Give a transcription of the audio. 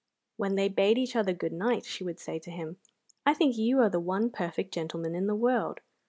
When they bade each other good night, she would say to him: "I think you are the one perfect gentleman in the world."